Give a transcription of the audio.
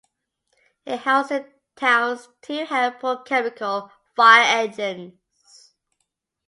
It housed the town's two hand-pulled chemical fire engines.